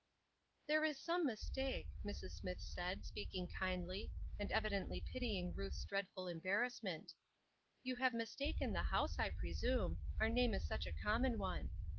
"There is some mistake," Mrs. Smith said, speaking kindly, and evidently pitying Ruth's dreadful embarrassment. "You have mistaken the house, I presume; our name is such a common one.